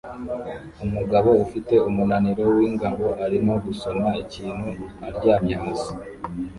Umugabo ufite umunaniro wingabo arimo gusoma ikintu aryamye hasi